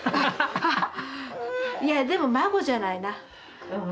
いやでも孫じゃないな。